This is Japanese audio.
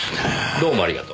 どうもありがとう。